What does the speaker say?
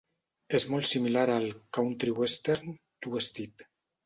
És molt similar al country-western two-step.